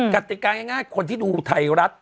กติกาง่ายคนที่ดูไทยรัฐ